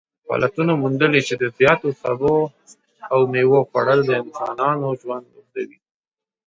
پلټنو موندلې چې د زیاتو سبو او میوو خوړل د انسانانو ژوند اوږدوي